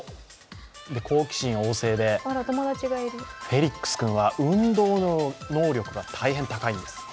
好奇心旺盛で、フェリックス君は運動能力が大変高いんです。